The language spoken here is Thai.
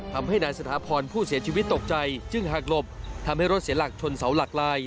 ทำให้นายสถาพรผู้เสียชีวิตตกใจจึงหากหลบทำให้รถเสียหลักชนเสาหลักลาย